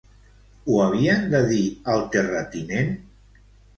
Ho havien de dir al terratinent?